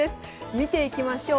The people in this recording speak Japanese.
見ていきましょう。